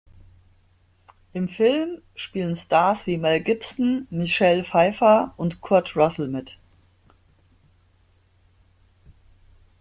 Im Film spielen Stars wie Mel Gibson, Michelle Pfeiffer und Kurt Russell mit.